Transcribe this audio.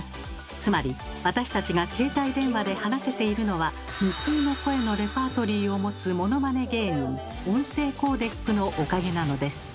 つまり私たちが携帯電話で話せているのは無数の声のレパートリーを持つ「モノマネ芸人」音声コーデックのおかげなのです。